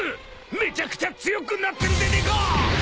めちゃくちゃ強くなってるでねえか！］